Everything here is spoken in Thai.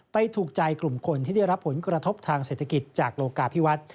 ถูกใจกลุ่มคนที่ได้รับผลกระทบทางเศรษฐกิจจากโลกาพิวัฒน์